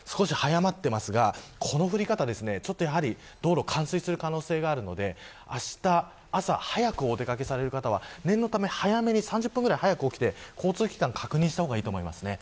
少し早まっていますがこの降り方道路が冠水する可能性があるのであした朝早くお出掛けされる方は念のため早めに３０分くらい早く起きて交通機関を確認した方がいいと思います。